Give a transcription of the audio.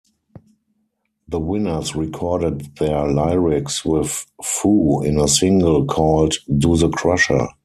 The winners recorded their lyrics with Fu in a single called "Do the krusher".